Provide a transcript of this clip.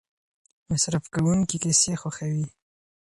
مصرف کوونکي کیسې خوښوي.